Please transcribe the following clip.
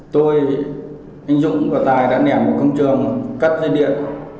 tôi anh dũng và tài đã nẻ một công trường cắt dây điện